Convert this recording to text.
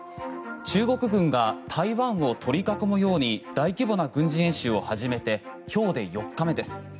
中国軍が台湾を取り囲むように大規模な軍事演習を始めて今日で４日目です。